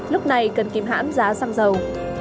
lúc này cần kiếm hãm giá xăng dầu